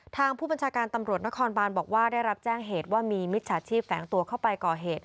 ทางผู้บัญชาการตำรวจนครบานบอกว่าได้รับแจ้งเหตุว่ามีมิจฉาชีพแฝงตัวเข้าไปก่อเหตุ